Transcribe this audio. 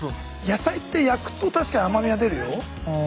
野菜って焼くと確かに甘みが出るよ。